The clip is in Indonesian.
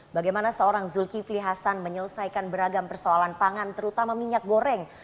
bagaimana seorang zulkifli hasan menyelesaikan beragam persoalan pangan terutama minyak goreng